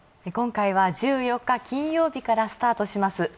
今回は１４日金曜日からスタートします